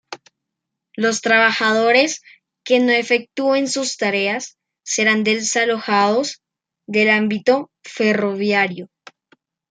Los trabajadores que no efectúen sus tareas, serán desalojados del ámbito ferroviario.